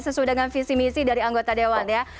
sesuai dengan visi misi dari anggota dewan ya